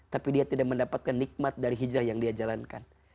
tapi dia tidak mendapatkan nikmat dari hijrah yang dia jalankan